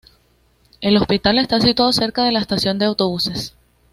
El hospital está situado cerca de la estación de autobuses.